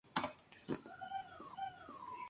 Su aspecto ha sido comparado al de una princesa Disney.